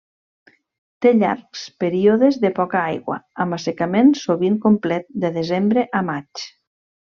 Té llargs períodes de poca aigua amb assecament sovint complet de desembre a maig.